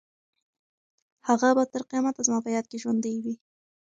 هغه به تر قیامته زما په یاد کې ژوندۍ وي.